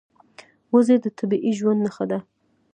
وزې د طبیعي ژوند نښه ده